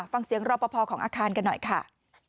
ฟังเสียงรอบภของอาคารกันหน่อยค่ะ